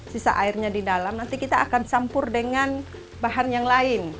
sisa airnya di dalam nanti kita akan campur dengan bahan yang lain